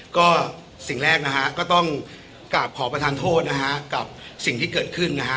ก็สิ่งแรกนะฮะก็ต้องกลับขอประทานโทษนะฮะกับสิ่งที่เกิดขึ้นนะฮะ